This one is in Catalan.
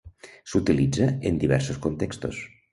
S'utilitza en diversos contextos.